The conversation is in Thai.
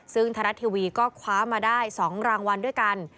ซึ่งไทยรัฐทีวีก็คว้ามาได้๒รางวัลด้วยกัน